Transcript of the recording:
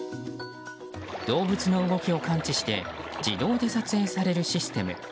動物の動きを感知して自動で撮影されるシステム。